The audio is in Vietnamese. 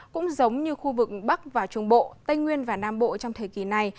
cũng giống như khu vực bắc và trung bộ tây nguyên và nam bộ trong thời kỳ này